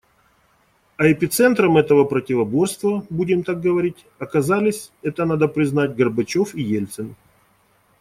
А эпицентром этого противоборства, будем так говорить, оказались, это надо признать, Горбачев и Ельцин.